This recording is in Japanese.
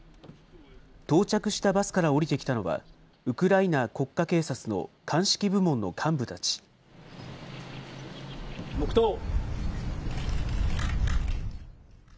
到着したバスから降りてきたのは、ウクライナ国家警察の鑑識部門の黙とう。